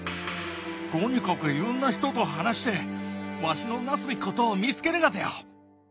とにかくいろんな人と話してわしのなすべきことを見つけるがぜよ！